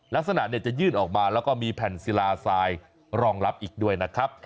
ลักษณะจะยื่นออกมาแล้วก็มีแผ่นศิลาทรายรองรับอีกด้วยนะครับ